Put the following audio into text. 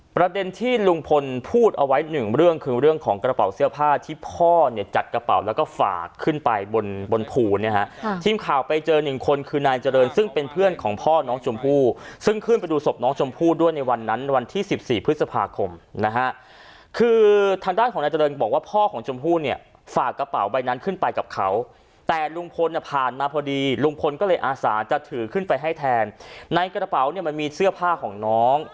ประเด็นที่ลุงพลพูดเอาไว้หนึ่งเรื่องคือเรื่องของกระเป๋าเสื้อผ้าที่พ่อเนี่ยจัดกระเป๋าแล้วก็ฝากขึ้นไปบนบนภูเนี่ยฮะทีมข่าวไปเจอหนึ่งคนคือนายเจริญซึ่งเป็นเพื่อนของพ่อน้องชมพู่ซึ่งขึ้นไปดูศพน้องชมพู่ด้วยในวันนั้นวันที่สิบสี่พฤษภาคมนะฮะคือทางด้านของนายเจริญบอกว่าพ่อของ